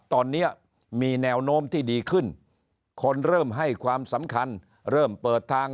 ตอนนี้มีแนวโน้มที่ดีขึ้นคนเริ่มให้ความสำคัญเริ่มเปิดทาง